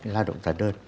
lao động giả đơn